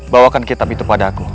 bawakan kitab itu pada aku